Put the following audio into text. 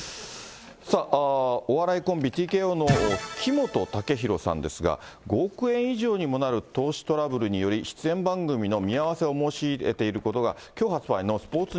さあ、お笑いコンビＴＫＯの木本武宏さんですが、５億円以上にもなる投資トラブルにより、出演番組の見合わせを申し入れていることが、きょう発売のスポーツ